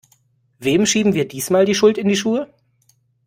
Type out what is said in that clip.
Wem schieben wir diesmal die Schuld in die Schuhe?